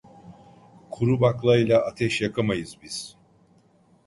Kuru baklayla ateş yakamayız biz!